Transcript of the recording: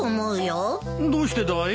どうしてだい？